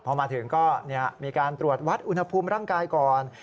พอมาถึงก็มีการตรวจวัดอุณหภูมิร่างกายก่อน